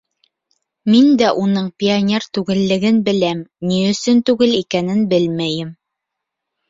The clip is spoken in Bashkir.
Мин дә уның пионер түгеллеген беләм, ни өсөн түгел икәнен белмәйем.